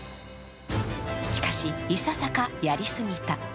しかし、いささか、やりすぎた。